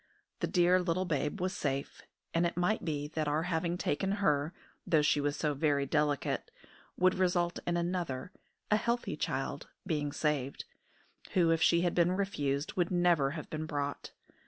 The dear little babe was safe; and it might be that our having taken her, though she was so very delicate, would result in another, a healthy child, being saved, who, if she had been refused, would never have been brought.